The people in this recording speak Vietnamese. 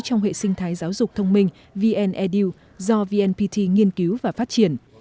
trong hệ sinh thái giáo dục thông minh vn edu do vnpt nghiên cứu và phát triển